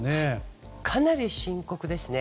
かなり深刻ですね。